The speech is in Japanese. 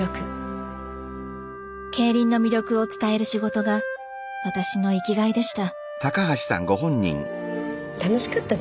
競輪の魅力を伝える仕事が私の生きがいでした。